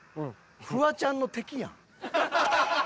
フワちゃんの敵やん。